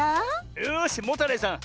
よしモタレイさん